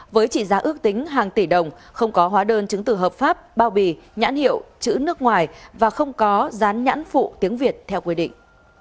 với trị giá ước tính hàng tỷ đồng không có hóa đơn chứng từ hợp pháp bao bì nhãn hiệu chữ nước ngoài và không có rán nhãn phụ tiếng việt theo quy định